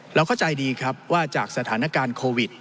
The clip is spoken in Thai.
เราเข้าใจดีครับว่าจากสถานการณ์โควิด